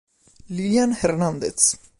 Lilian Hernandez.